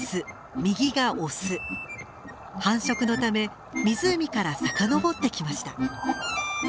繁殖のため湖から遡ってきました。